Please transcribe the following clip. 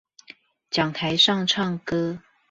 講台上唱歌